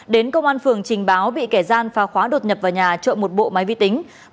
đến công an phường trình báo bị kẻ gian phá khóa đột nhập vào nhà trộm một bộ máy vi tính